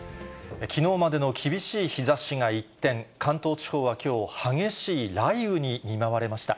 きのうまでの厳しい日ざしが一転、関東地方はきょう、激しい雷雨に見舞われました。